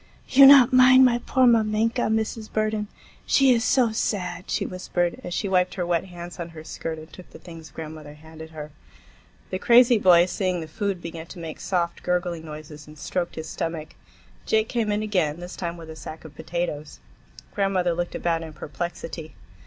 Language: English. "You not mind my poor mamenka, Mrs. Burden. She is so sad," she whispered, as she wiped her wet hands on her skirt and took the things grandmother handed her. The crazy boy, seeing the food, began to make soft, gurgling noises and stroked his stomach. Jake came in again, this time with a sack of potatoes. Grandmother looked about in perplexity.